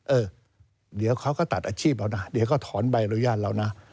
เออเดี๋ยวเขาก็ตัดอาชีพเอานะเดี๋ยวก็ถอนใบอนุญาตเรานะ